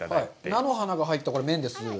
菜の花が入った麺です。